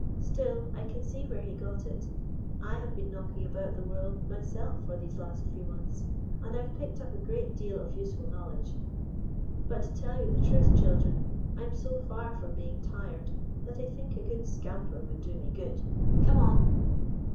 Still, I can see where he got it. I have been knocking around the world myself for the last few months, and I have picked up a great deal of useful knowledge. But, to tell you the truth, children, I 'm so far from being tired that I think a good scamper would do me good. Come on